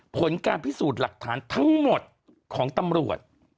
ผลการพิสูจน์หลักฐานทั้งหมดของตำรวจ